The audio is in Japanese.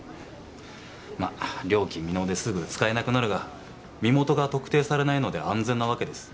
まっ料金未納ですぐ使えなくなるが身元が特定されないので安全なわけです。